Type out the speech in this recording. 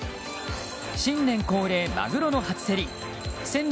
新年恒例マグロの初競り。